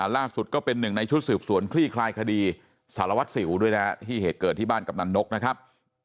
ล่าสุดก็เป็นหนึ่งในชุดสืบสวนคลี่คลายคดีสารวัตรสิวด้วยนะที่เหตุเกิดที่บ้านกำนันนกนะครับ